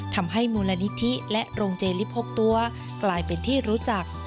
ทำให้มูลนิธิและโรงเจลิป๖ตัวกลายเป็นที่รู้จัก